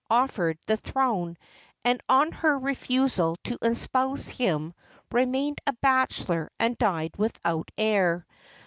offered the throne, and on her refusal to espouse him remained a bachelor and died without heir.